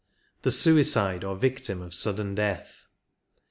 The Suicide^ or victim of sudden death.